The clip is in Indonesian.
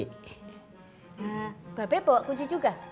nah mbak beboh kunci juga